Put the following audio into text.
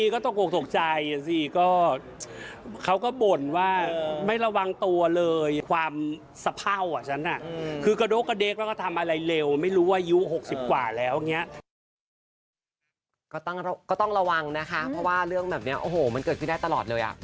ก็ต้องระวังนะคะเพราะว่าเรื่องแบบนี้โอ้โหมันเกิดขึ้นได้ตลอดเลย